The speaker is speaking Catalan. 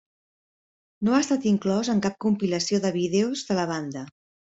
No ha estat inclòs en cap compilació de vídeos de la banda.